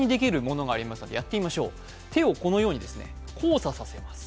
手をこのように交差させます。